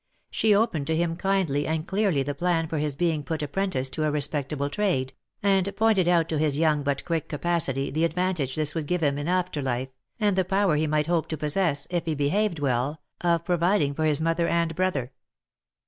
She opened to him kindly and clearly the plan for his being put apprentice to a respectable trade, and pointed out to his young but quick capacity the advantage this would give him in after life, and the power he might hope to possess, if he behaved well, of pro viding for his mother and brother.